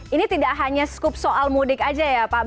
ini tidak hanya skup soal mudik aja ya pak